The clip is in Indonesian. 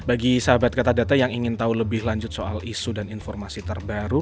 bagi sahabat katadata yang ingin tau lebih lanjut soal isu dan informasi terbaru